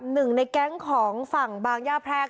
หนึ่งในแก๊งของฝั่งบางย่าแพรก